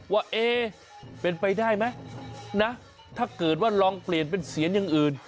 เอ๊เป็นไปได้ไหมนะถ้าเกิดว่าลองเปลี่ยนเป็นเสียงอย่างอื่น